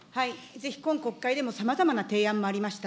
ぜひ今国会でもさまざまな提案もありました。